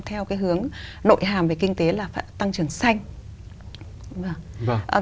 theo cái hướng nội hàm về kinh tế là tăng trưởng xanh